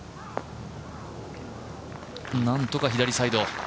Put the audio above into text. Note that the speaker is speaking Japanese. なんとか左サイド。